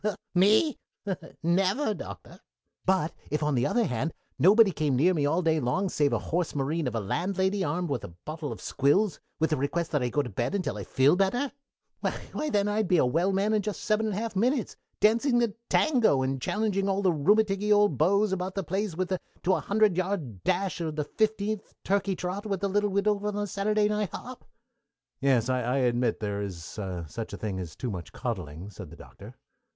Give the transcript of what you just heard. me? never, Doctor! "But if, on the other hand, nobody came near me all day long save a horse marine of a landlady armed with a bottle of squills, with the request that I go to bed until I felt better, why then I'd be a well man in just seven and a half minutes, dancing the tango, and challenging all the rheumaticky old beaux about the place to a hundred yards' dash for the fifteenth turkey trot with the little widow at the Saturday night hop." "Yes, I admit that there is such a thing as too much coddling," said the Doctor.